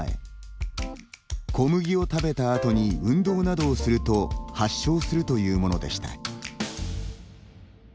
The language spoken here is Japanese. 小麦を食べたあとに運動などをすると発症するというものでした。